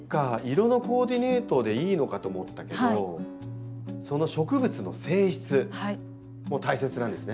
色のコーディネートでいいのかと思ったけどその植物の性質も大切なんですね。